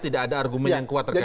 tidak ada argumen yang kuat terkait